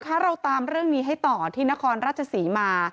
คะเราตามเรื่องนี้ให้ต่อที่นครราชศรีมา